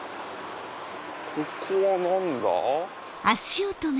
ここは何だ？